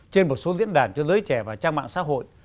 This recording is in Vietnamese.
trên một số diễn đàn cho giới trẻ và trang mạng xã hội